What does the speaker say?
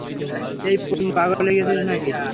এই পোন্নি, পাগল হয়ে গেছিস নাকি?